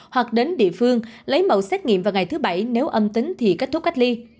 hoặc đến địa phương lấy mẫu xét nghiệm vào ngày thứ bảy nếu âm tính thì kết thúc cách ly